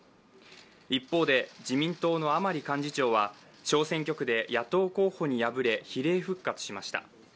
一方で、自民党の甘利幹事長は小選挙区で野党候補に敗れ比例復活しました。